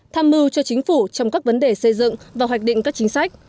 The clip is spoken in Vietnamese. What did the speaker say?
tham mưu cho chính phủ trong các vấn đề xây dựng và hoạch định các chính sách